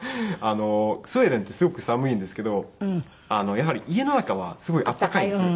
スウェーデンってすごく寒いんですけどやはり家の中はすごい暖かいんですよ。